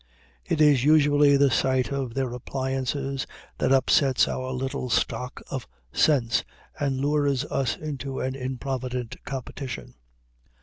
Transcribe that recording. It is usually the sight of their appliances that upsets our little stock of sense, and lures us into an improvident competition.